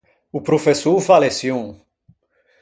O professô o fa leçion.